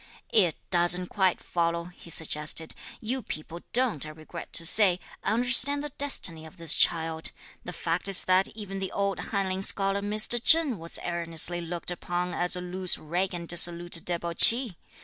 "It doesn't quite follow," he suggested. "You people don't, I regret to say, understand the destiny of this child. The fact is that even the old Hanlin scholar Mr. Cheng was erroneously looked upon as a loose rake and dissolute debauchee!